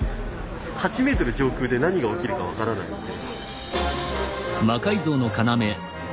８メートル上空で何が起きるか分からないので。